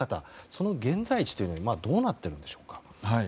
その現在地というのは今どうなっているのでしょうか。